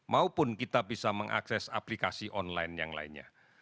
maupun kita bisa mengakses aplikasi online yang lainnya